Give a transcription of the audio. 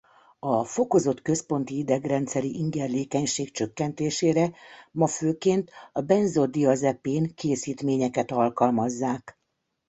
A fokozott központi idegrendszeri ingerlékenység csökkentésére ma főként a benzodiazepin készítményeket alkalmazzák.